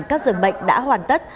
các giường bệnh đã hoàn tất